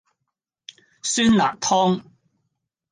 酸辣湯